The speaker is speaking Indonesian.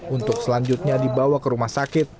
untuk selanjutnya dibawa ke rumah sakit